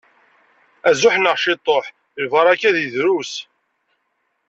Azuḥ neɣ ciṭuḥ, lbaraka deg drus.